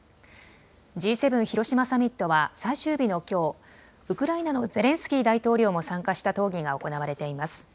Ｇ７広島サミットは最終日のきょう、ウクライナのゼレンスキー大統領も参加した討議が行われています。